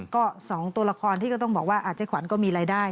ก็๒ตัวละครที่ก็ต้องบอกว่าเจ๊ขวัญก็มีรายได้